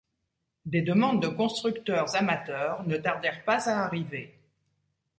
Des demandes de constructeurs amateurs ne tardèrent pas à arriver.